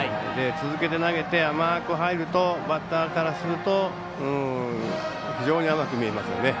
続けて投げて甘く入るとバッターからすると非常に甘く見えますよね。